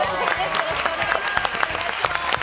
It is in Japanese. よろしくお願いします。